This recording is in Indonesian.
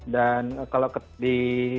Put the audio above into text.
dan kalau di